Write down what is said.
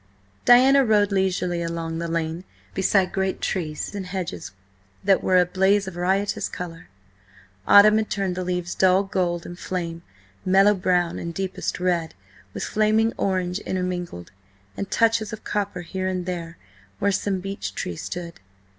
Diana rode leisurely along the lane, beside great trees and hedges that were a blaze of riotous colour. Autumn had turned the leaves dull gold and flame, mellow brown and deepest red, with flaming orange intermingled, and touches of copper here and there where some beech tree stood.